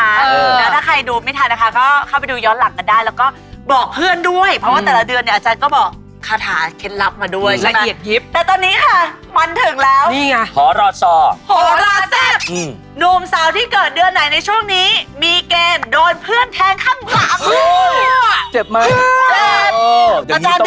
แล้วถ้าใครดูไม่ทันนะคะก็เข้าไปดูย้อนหลังกันได้แล้วก็บอกเพื่อนด้วย